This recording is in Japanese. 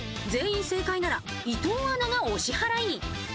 全員正解なら伊藤アナがお支払い。